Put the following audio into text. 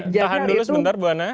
tahan dulu sebentar buwana